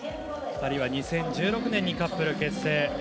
２人は２０１６年にカップル結成。